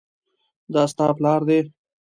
دا ستا پلار دی؟